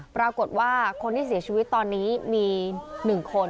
ปรากฏว่าคนที่เสียชีวิตตอนนี้มี๑คน